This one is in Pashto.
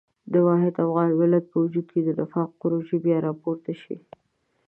د واحد افغان ملت په وجود کې د نفاق پروژې بیا راپورته شي.